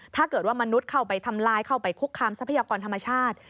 ถ้าเกิดว่ามนุษย์เข้าไปทำลายเข้าไปคุกคามทรัพยากรธรรมชาติ